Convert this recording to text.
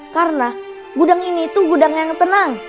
karena gudang ini itu gudang yang tenang